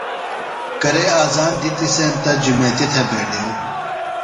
کرے آذان دِتی سینتہ جُمیتی تھےۡ بینڈیوۡ۔